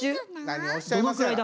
何をおっしゃいますやら。